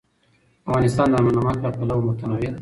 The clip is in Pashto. افغانستان د نمک له پلوه متنوع دی.